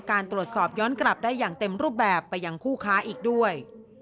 การตรวจสอบย้อนกลับได้อย่างเต็มรูปแบบไปยังคู่ค้าอีกด้วย